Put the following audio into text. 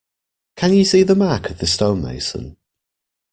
Can you see the mark of the stonemason?